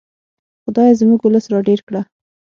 خدایه زموږ ولس را ډېر کړه.